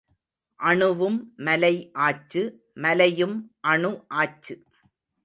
அணுவும் மலை ஆச்சு மலையும் அணு ஆச்சு